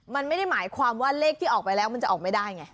มันไม่ได้หมายความว่าเลขที่ออกไปแล้วมันจะออกไม่ได้ไง